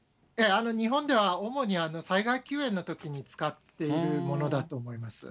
日本では主に災害救援のときに使っているものだと思います。